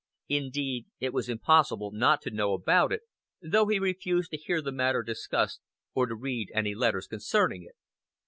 Indeed, it was impossible not to know about it, though he refused to hear the matter discussed or to read any letters concerning it.